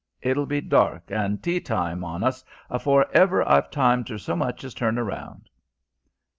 It'll be dark an' tea time on us afore ever I've time ter so much as turn round."